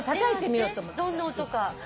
どんな音か。